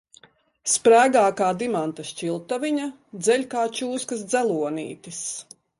Sprēgā kā dimanta šķiltaviņa, dzeļ kā čūskas dzelonītis.